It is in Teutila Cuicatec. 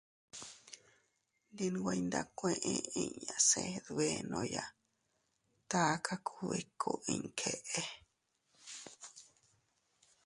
Ndi nweiyndakueʼe inña se dbenoya taka kubikuu iña keʼe.